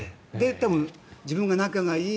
多分、自分が仲がいい